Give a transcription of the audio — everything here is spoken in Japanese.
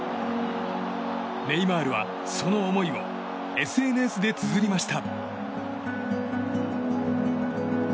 ネイマールはその思いをＳＮＳでつづりました。